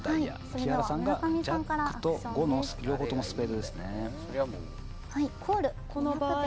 木原さんがジャックと５両方ともスペードですね。